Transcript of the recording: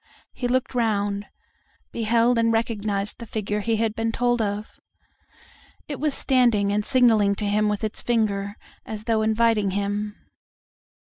He looked round, beheld and recognized the figure he had been told of. It was standing and signaling to him with its finger, as though inviting him.